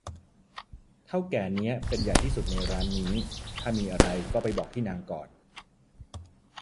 เถ้าแก่เนี้ยเป็นใหญ่ที่สุดในร้านนี้ ถ้ามีอะไรก็ไปบอกที่นางก่อน